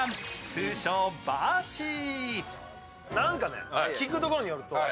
通称・バーチー。